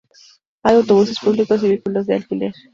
Hay autobuses públicos y vehículos de alquiler.